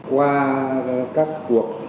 qua các cuộc